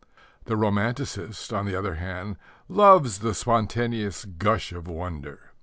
The romanticist, on the other hand, loves the spontaneous gush of wonder.